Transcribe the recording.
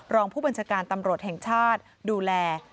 รองผู้บัญชาการตำรวจแห่งชาติดูแล